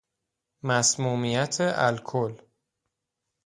مسمومیت الکل